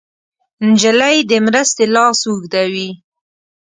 نجلۍ د مرستې لاس اوږدوي.